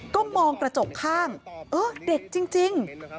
ก็มองกระจกข้างเออเด็กจริง